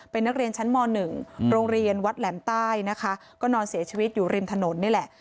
เป็นนักเรียนชั้นม๑โรงเรียนวัดแหลมใต้นะคะก็นอนเสียชีวิตอยู่ริมถนนนี่แหละ